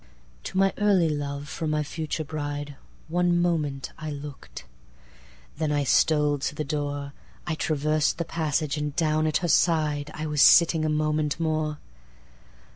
To my early love from my future brideOne moment I look'd. Then I stole to the door,I travers'd the passage; and down at her sideI was sitting, a moment more.